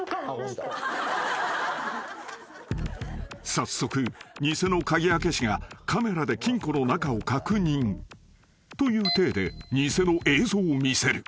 ［早速偽の鍵開け師がカメラで金庫の中を確認という体で偽の映像を見せる］